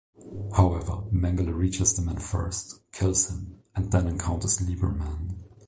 However, Mengele reaches the man first, kills him, and then encounters Liebermann.